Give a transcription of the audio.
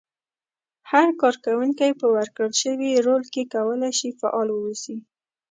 هر کار کوونکی په ورکړل شوي رول کې کولای شي فعال واوسي.